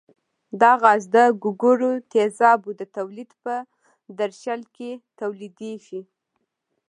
دا غاز د ګوګړو تیزابو د تولید په درشل کې تولیدیږي.